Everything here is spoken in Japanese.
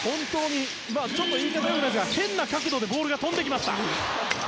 言い方は良くないですが変な角度でボールが飛んできました。